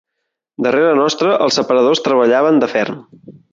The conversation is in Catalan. Darrere nostre els sapadors treballaven de ferm